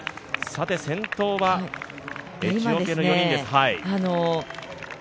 先頭はエチオピアの４人です。